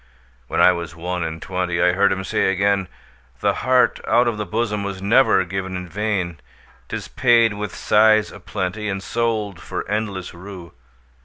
When I was one and twentyI heard him say again,'The heart out of the bosomWas never given in vain;'Tis paid with sighs a plentyAnd sold for endless rue.